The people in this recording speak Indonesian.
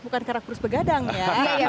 bukan karena kurus bergadang ya